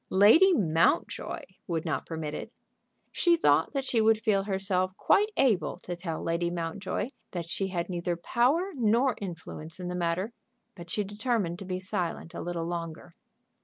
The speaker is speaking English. Lady Mountjoy would not permit it! She thought that she would feel herself quite able to tell Lady Mountjoy that she had neither power nor influence in the matter, but she determined to be silent a little longer.